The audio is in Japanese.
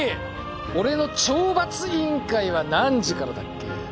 俺の懲罰委員会は何時からだっけ？